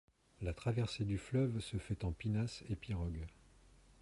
La traversée du fleuve se fait en pinasse et pirogue.